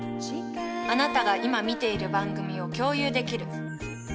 あなたが今見ている番組を共有できる。